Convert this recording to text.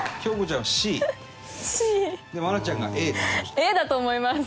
Ａだと思います。